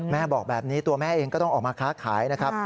แม่บอกแบบนี้ตัวแม่เองก็ต้องออกมาค้าขายนะครับ